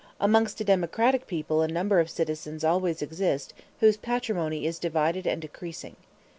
Amongst a democratic people a number of citizens always exist whose patrimony is divided and decreasing.